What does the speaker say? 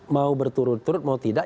mau berturut turut mau tidak